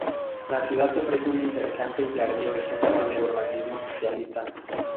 La ciudad ofrece un interesante y tardío ejemplo de urbanismo socialista.